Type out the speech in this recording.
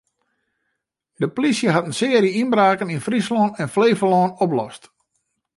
De plysje hat in searje ynbraken yn Fryslân en Flevolân oplost.